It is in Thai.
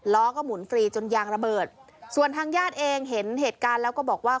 ล้อก็หมุนฟรีจนยางระเบิดส่วนทางญาติเองเห็นเหตุการณ์แล้วก็บอกว่า